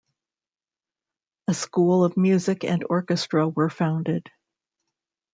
A school of music and orchestra were founded.